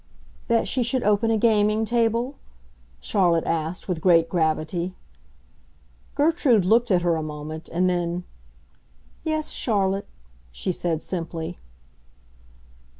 "That she should open a gaming table?" Charlotte asked, with great gravity. Gertrude looked at her a moment, and then, "Yes, Charlotte," she said, simply.